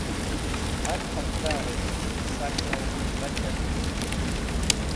har hafta’ẽs̃h sake bachat nik̃hit.